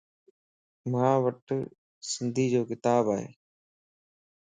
مان وٽ سنڌيءَ جو ڪتاب ائي.